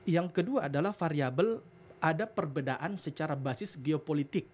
yang kedua adalah variable ada perbedaan secara basis geopolitik